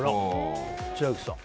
千秋さん